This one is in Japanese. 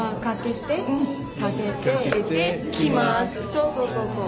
そうそうそうそう。